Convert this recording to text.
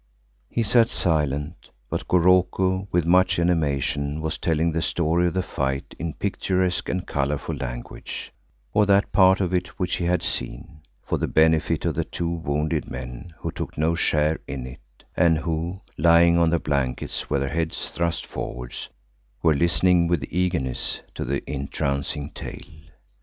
He sat silent, but Goroko with much animation was telling the story of the fight in picturesque and colourful language, or that part of it which he had seen, for the benefit of the two wounded men who took no share in it and who, lying on their blankets with heads thrust forward, were listening with eagerness to the entrancing tale.